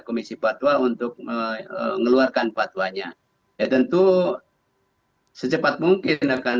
komisi fatwa untuk mengeluarkan fatwanya ya tentu secepat mungkin akan